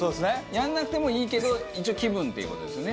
やんなくてもいいけど一応気分っていう事ですよね。